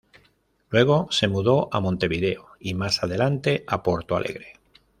Luego se mudó a Montevideo y más adelante a Porto Alegre.